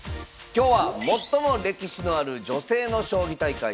今日は最も歴史のある女性の将棋大会。